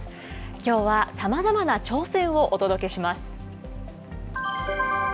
きょうはさまざまな挑戦をお届けします。